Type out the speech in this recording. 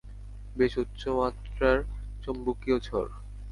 বেশ উচ্চমাত্ত্রার চৌম্বকীয় ঝড়!